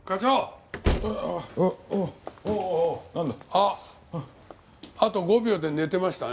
あっあと５秒で寝てましたね。